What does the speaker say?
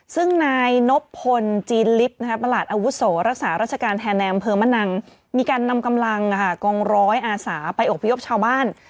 ซึ่งนายนบพลจีนลิฟต์ประหลัดอาวุโสรักษาราชการแทนในอำเภอมะนังมีการนำกำลังกองร้อยอาสาไปอบพยพชาวบ้าน